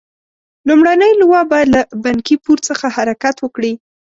لومړنۍ لواء باید له بنکي پور څخه حرکت وکړي.